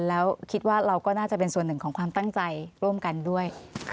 แล้วคิดว่าเราก็น่าจะเป็นส่วนหนึ่งของความตั้งใจร่วมกันด้วย